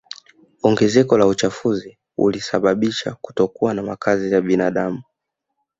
Ongezeko la uchafuzi ulisababisha kutokuwa kwa makazi ya binadamu